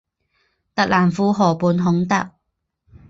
特兰库河畔孔达。